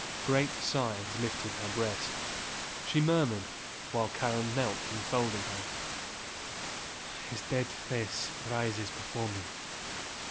Great sighs lifted her breast. She murmured, while Karen knelt enfolding her, "His dead face rises before me.